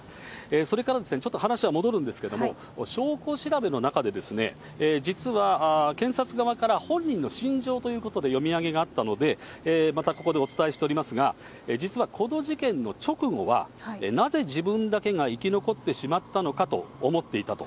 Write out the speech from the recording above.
それからちょっと話は戻るんですけれども、証拠調べの中で、実は検察側から本人の心情ということで読み上げがあったので、またここでお伝えしておりますが、実はこの事件の直後は、なぜ自分だけが生き残ってしまったのかと思っていたと。